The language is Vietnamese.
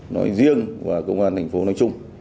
nói riêng và công an thành phố nói chung